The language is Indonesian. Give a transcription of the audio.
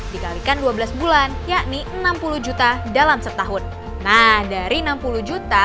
dikalikan dua belas bulan yakni enam puluh juta dalam setahun nah dari enam puluh juta